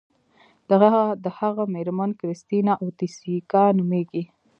د هغه میرمن کریستینا اویتیسیکا نومیږي.